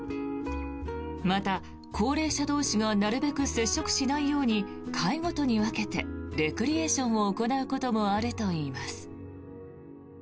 また、高齢者同士がなるべく接触しないように階ごとに分けてレクリエーションを行うこともあるといいます。